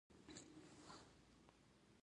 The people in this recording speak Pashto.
سیلاني ځایونه د افغانستان د اقتصاد یوه برخه ده.